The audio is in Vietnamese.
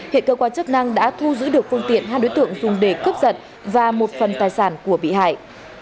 hệ cơ quan chức năng đã thu giữ được phương tiện hai đối tượng dùng để cướp giật và một phần tài sản của bị hại